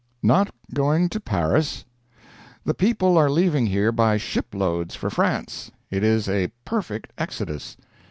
NOT GOING TO PARIS? The people are leaving here by ship loads for France. It is a perfect exodus.